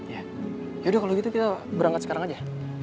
ya ya udah kalau gitu kita berangkat sekarang aja